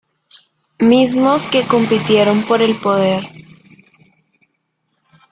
Mismos que compitieron por el poder.